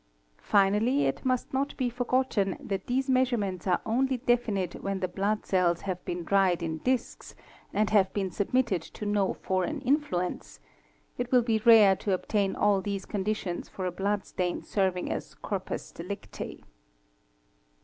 Finally, it must not be forgotten that these measurements are only definite when the blood cells have been dried in discs, and have been submitted to no foreign influence ; 1 will be rare to obtain all these conditions for a blood stain serving 7 corpus delicte.